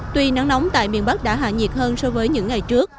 tuy nắng nóng tại miền bắc đã hạ nhiệt hơn so với những ngày trước